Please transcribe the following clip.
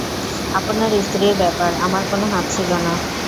আপনার স্ত্রীর ব্যাপারে, আমার কোনো হাত ছিল না।